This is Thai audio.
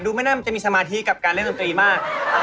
ดูไม่ได้มันจะมีสมาธิเกี่ยวกับการเล่นดนตรีมาก